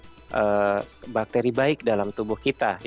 jangan lupa misalnya kita harus menjaga konten bakteri baik dalam tubuh kita